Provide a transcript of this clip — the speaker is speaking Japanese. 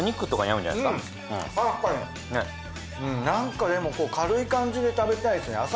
なんかでも軽い感じで食べたいですね。